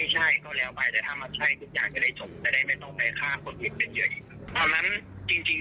จากแบรนด์ก็บอกว่ามัจริงใช่